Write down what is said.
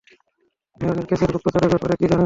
ম্যারোনির কেসের গুপ্তচরের ব্যাপারে কী জানেন?